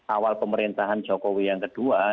awal pemerintahan jokowi yang kedua